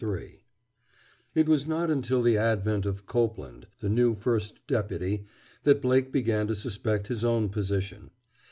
III It was not until the advent of Copeland, the new First Deputy, that Blake began to suspect his own position.